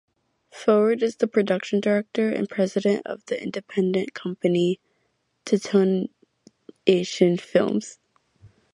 Forward is the production director and president of his independent company, Detonation Films.